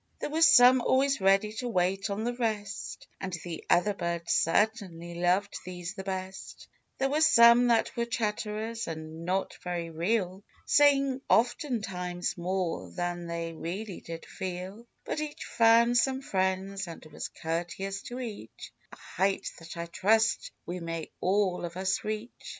There were some always ready to wait on the rest, And the other birds certainly loved these the best; There were some that were chatterers, and not very real, Saying oftentimes more than they really did feel ; But each found some friends, and was courteous to each — A height that I trust we may all of us reach.